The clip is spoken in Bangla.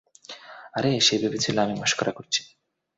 আর সে ভেবেছিল আমি মশকরা করছি।